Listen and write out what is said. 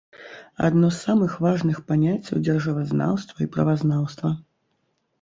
Адно з самых важных паняццяў дзяржавазнаўства і правазнаўства.